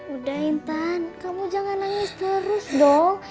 udah intan kamu jangan nangis terus dong